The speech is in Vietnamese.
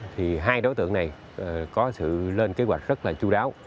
thì hai đối tượng này có sự lên kế hoạch rất là chú đáo